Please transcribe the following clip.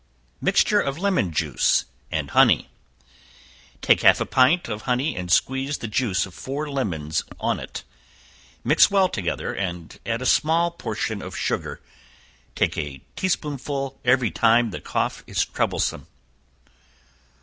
Mixture of Lemon Juice and Honey. Take half a pint of honey and squeeze the juice of four lemons on it; mix well together, and add a small portion of sugar; take a tea spoonful every time the cough is troublesome.